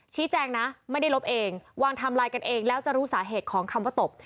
ชี้แจงนะไม่ได้ลบเองวางไทม์ไลน์กันเองแล้วจะรู้สาเหตุของคำว่าตบ